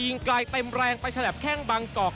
อิงกลายเต็มแรงไปฉลับแค่งบังกอก